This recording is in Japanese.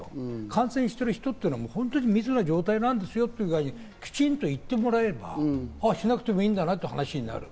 感染している人は密な状態なんですよというふうにきちんと言ってもらえれば、あぁしなくてもいいんだなという話になる。